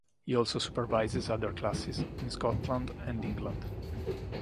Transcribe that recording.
He also supervises other classes in Scotland and England.